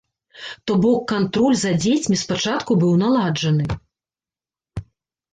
То бок кантроль за дзецьмі спачатку быў наладжаны.